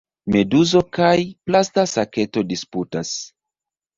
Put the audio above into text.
Meduzo kaj plasta saketo disputas.